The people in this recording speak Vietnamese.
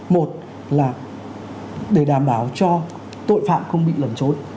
một là để đảm bảo cho tội phạm không bị lẩn trốn